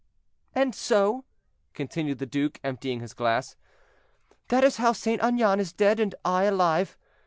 "And so," continued the duke, emptying his glass, "that is how St. Aignan is dead and I alive.